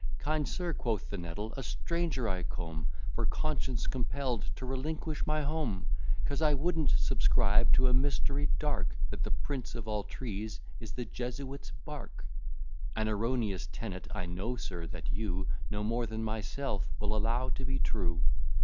Kind sir, quoth the nettle, a stranger I come, For conscience compell'd to relinquish my home, 'Cause I wouldn't subscribe to a mystery dark, That the prince of all trees is the Jesuit's bark, An erroneous tenet I know, sir, that you, No more than myself, will allow to be true.